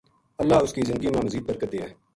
اللہ اس کی زندگی ما مزید برکت دیے